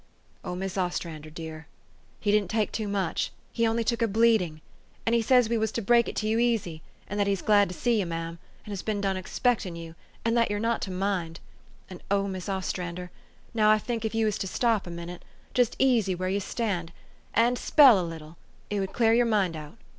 " O Mis' Ostrander dear ! he didn't take too much he only took a bleeding. And he says we was to break it to you easy, and that he's glad to see you, ma'am, and has been done expectin' you, and that you're not to mind and Mis' Ostran der ! now I think if you was to stop a minute just easy where you stand and spell a little it would clar your mind out.